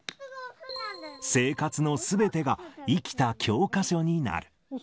生活のすべてが生きた教科書になる。